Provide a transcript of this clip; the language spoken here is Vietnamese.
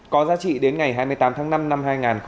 có giá trị đến ngày hai mươi tám tháng năm năm hai nghìn hai mươi